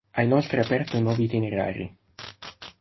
Ha inoltre aperto nuovi itinerari.